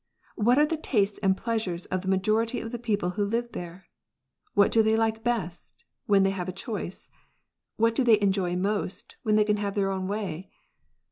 What are the tastes and pleasures of the majority of the people who live there ? What do they like best, when they have a choice 1 What do they enjoy most, when they can have their own way